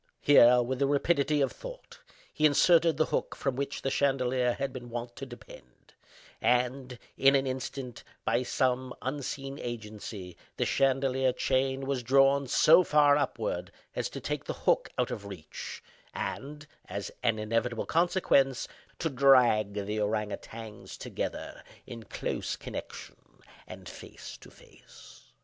Here, with the rapidity of thought, he inserted the hook from which the chandelier had been wont to depend; and, in an instant, by some unseen agency, the chandelier chain was drawn so far upward as to take the hook out of reach, and, as an inevitable consequence, to drag the ourang outangs together in close connection, and face to face.